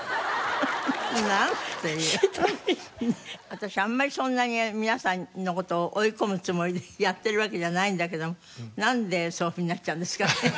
私あんまりそんなに皆さんの事を追い込むつもりでやってるわけじゃないんだけどもなんでそういうふうになっちゃうんですかね？